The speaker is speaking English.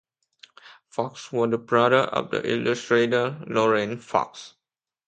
Fox was the brother of the illustrator Lorraine Fox.